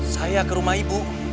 saya ke rumah ibu